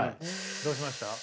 どうしました？